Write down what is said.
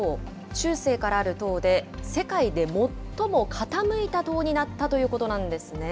中世からある塔で、世界で最も傾いた塔になったということなんですね。